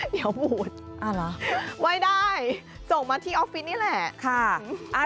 เดี๋ยวพูดไว้ได้ส่งมาที่ออฟฟิศนี่แหละค่ะ